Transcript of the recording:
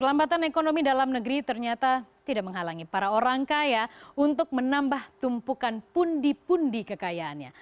kelambatan ekonomi dalam negeri ternyata tidak menghalangi para orang kaya untuk menambah tumpukan pundi pundi kekayaannya